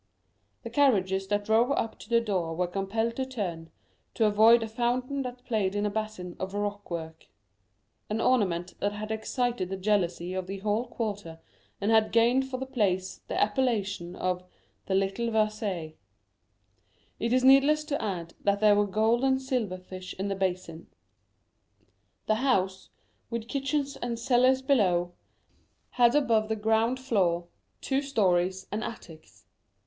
The carriages that drove up to the door were compelled to turn, to avoid a fountain that played in a basin of rockwork,—an ornament that had excited the jealousy of the whole quarter, and had gained for the place the appellation of The Little Versailles. It is needless to add that there were gold and silver fish in the basin. The house, with kitchens and cellars below, had above the ground floor, two stories and attics.